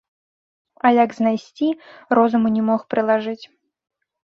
А як знайсці, розуму не мог прылажыць.